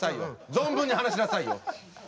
存分に話しなさいよ！